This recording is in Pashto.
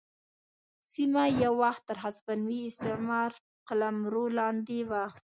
سیمه یو وخت تر هسپانوي استعمار قلمرو لاندې وه.